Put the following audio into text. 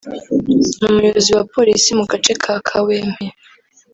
Umuyobozi wa Polisi mu gace ka Kawempe